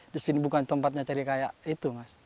di sini bukan tempatnya cari kayak itu mas